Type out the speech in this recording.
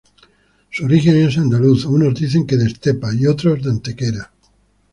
Su origen es andaluz, unos dicen que de Estepa y otros de Antequera.